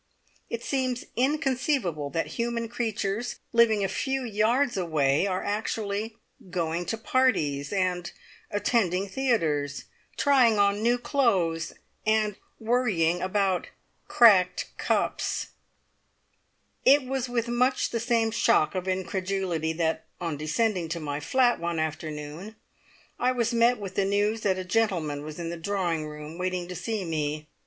It seems inconceivable that human creatures, living a few yards away, are actually going to parties, and attending theatres, trying on new clothes, and worrying about cracked cups. It was with much the same shock of incredulity that, on descending to my flat one afternoon, I was met with the news that a gentleman was in the drawing room waiting to see me.